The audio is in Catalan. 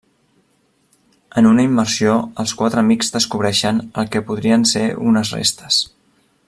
En una immersió, els quatre amics descobreixen el que podrien ser unes restes.